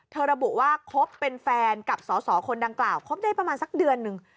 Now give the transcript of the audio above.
ระบุว่าคบเป็นแฟนกับสอสอคนดังกล่าวคบได้ประมาณสักเดือนหนึ่ง